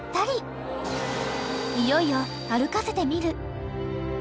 ［いよいよ歩かせてみる］